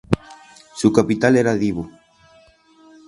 Su capital era Divo.